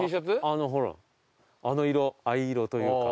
あのほらあの色藍色というか。